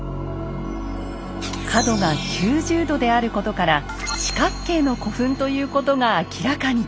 角が９０度であることから四角形の古墳ということが明らかに。